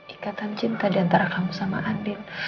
ikatan cinta diantara kamu sama andin